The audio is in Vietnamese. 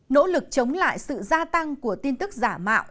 nỗ lực chống lại sự gia tăng của tin tức giả mạo